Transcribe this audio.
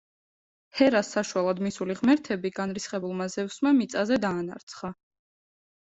ჰერას საშველად მისული ღმერთები განრისხებულმა ზევსმა მიწაზე დაანარცხა.